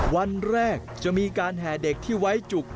วันแรกจะมีการแห่เด็กที่ไว้จุก